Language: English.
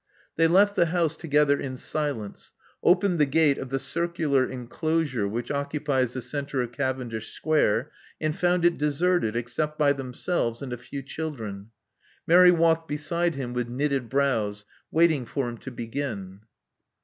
They left the house together in silence; opened the gate of the circular enclosure which occupies the centre of Cavendish Square; and found it deserted, except by themselves, and a few children. Mary walked beside him with knitted brows, waiting for him to begin.